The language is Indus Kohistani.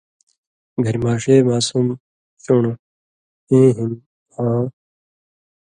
گھریۡماݜے ماسُم (چُن٘ڑ) ایں ہِن آں